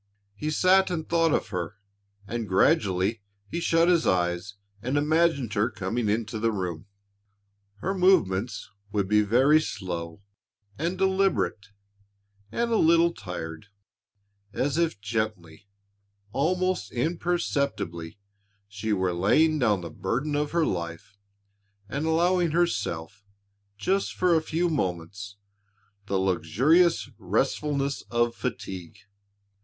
He sat and thought of her and gradually he shut his eyes and imagined her coming into the room. Her movements would be very slow and deliberate and a little tired, as if gently, almost imperceptibly, she were laying down the burden of her life and allowing herself, just for a few moments, the luxurious restfulness of fatigue.